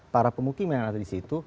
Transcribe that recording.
para pemukiman yang ada disitu